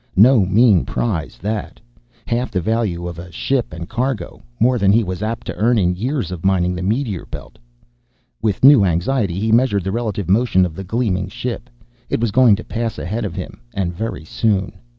No mean prize, that. Half the value of ship and cargo! More than he was apt to earn in years of mining the meteor belt. With new anxiety, he measured the relative motion of the gleaming ship. It was going to pass ahead of him. And very soon.